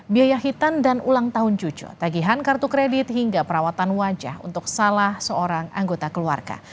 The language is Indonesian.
biaya hitam dan ulang tahun cucu tagihan kartu kredit hingga perawatan wajah untuk salah seorang anggota keluarga